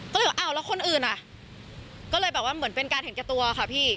ก็เลยว่าอ้าวแล้วคนอื่นอ่ะก็เลยแบบว่าเหมือนเป็นการเห็นแก่ตัวค่ะพี่